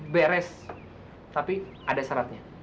beres tapi ada syaratnya